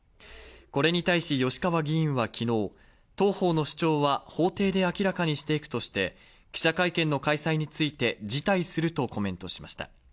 これに対し、吉川議員は昨日、当方の主張は法廷で明らかにしていくとして記者会見の開催は辞退するとコメントしました。